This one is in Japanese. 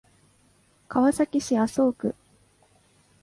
川崎市麻生区